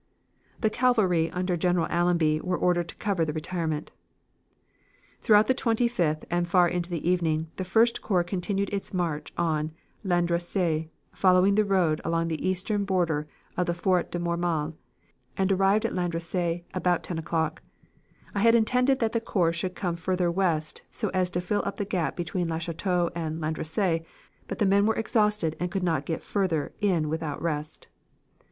"The cavalry under General Allenby, were ordered to cover the retirement. "Throughout the 25th and far into the evening, the First Corps continued its march on Landrecies, following the road along the eastern border of the Foret de Mormal, and arrived at Landrecies about 10 o'clock. I had intended that the corps should come further west so as to fill up the gap between Le Cateau and Landrecies, but the men were exhausted and could not get further in without rest.